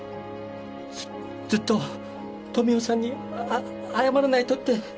ずっと富生さんに謝らないとって。